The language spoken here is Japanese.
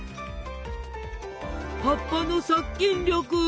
葉っぱの殺菌力！